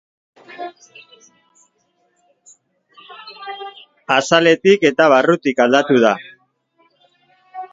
Azaletik eta barrutik aldatu da.